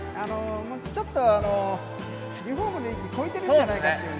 もうちょっと、あの、リフォームの域超えてるんじゃないかというね。